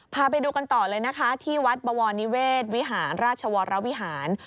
พาไปดูกันต่อเลยนะคะที่วัดบวรนิเวศวิหารราชวรวิหาร